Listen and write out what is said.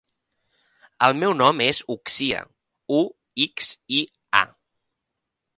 El meu nom és Uxia: u, ics, i, a.